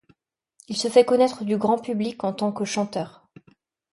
Il se fait connaître du grand public en tant que chanteur.